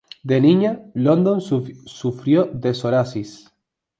De niña, London sufrió de psoriasis.